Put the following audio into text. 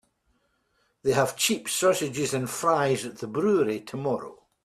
They have cheap sausages and fries at the brewery tomorrow.